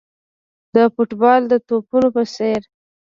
د فوټبال د توپونو په څېر.